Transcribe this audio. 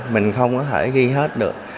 mình không có thể ghi hết được